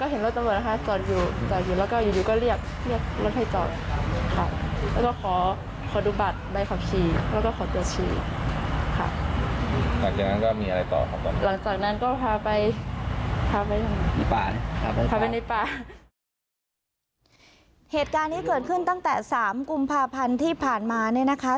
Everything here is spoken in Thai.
เหตุการณ์นี้เกิดขึ้นตั้งแต่๓กุมภาพันธ์ที่ผ่านมาเนี่ยนะคะ